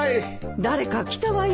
誰か来たわよ。